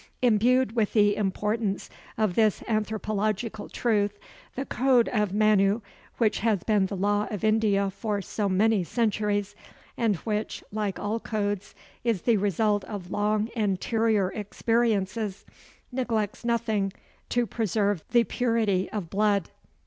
Imbued with the importance of this anthropological truth, the Code of Manu, which has been the law of India for so many centuries, and which, like all codes, is the result of long anterior experiences, neglects nothing to preserve the purity of blood.